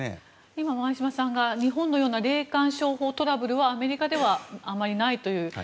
今、前嶋さんが日本の霊感商法トラブルはアメリカではあまりないという。